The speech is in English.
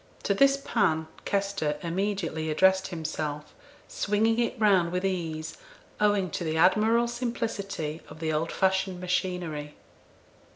To this pan Kester immediately addressed himself, swinging it round with ease, owing to the admirable simplicity of the old fashioned machinery.